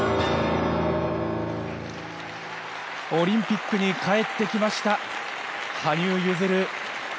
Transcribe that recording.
オリンピックに帰ってきました、羽生結弦。